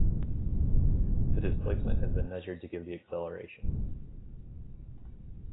The displacement is then measured to give the acceleration.